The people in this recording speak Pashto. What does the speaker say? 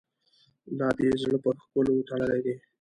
لا دي زړه پر ښکلو تړلی دی.